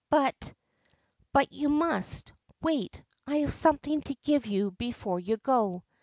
But '' But you must. Wait I I have something to give you before you go.'